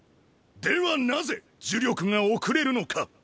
ではなぜ呪力が遅れるのか。